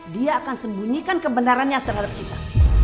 dia akan sembunyikan kebenarannya terhadap kita